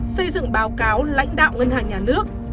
xây dựng báo cáo lãnh đạo ngân hàng nhà nước